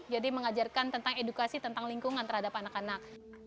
jadi mengajarkan tentang edukasi tentang lingkungan terhadap anak anak